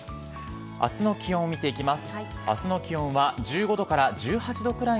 明日の気温を見ていきます。